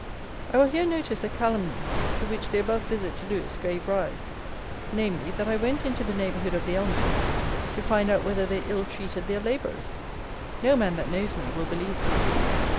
I will here notice a calumny, to which the above visit to Lewes gave rise; namely, that I went into the neighbourhood of the Ellmans, to find out whether they ill treated their labourers! No man that knows me will believe this.